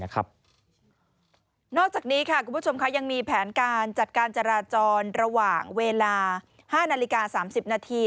นอกจากนี้คุณผู้ชมยังมีแผนการจัดการจราจรระหว่างเวลา๕นาฬิกา๓๐นาที